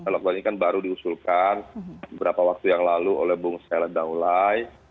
lockdown ini kan baru diusulkan beberapa waktu yang lalu oleh bung shela daulai